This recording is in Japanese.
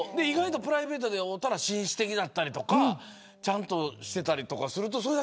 プライベートで会ったら意外と紳士的だったりちゃんとしていたりとかすると。